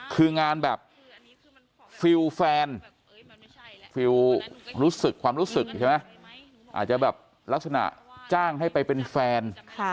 คืองานแบบฟิลแฟนฟิลรู้สึกความรู้สึกใช่ไหมอาจจะแบบลักษณะจ้างให้ไปเป็นแฟน